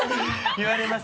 言われます。